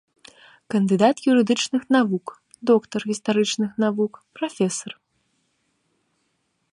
Кандыдат юрыдычных навук, доктар гістарычных навук, прафесар.